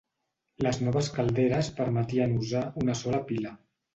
Les noves calderes permetien usar una sola pila.